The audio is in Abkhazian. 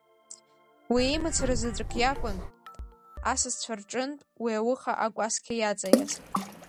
Уи имацара заҵәык иакәын асасцәа рҿынтә уи ауха акәасқьа иаҵаиаз.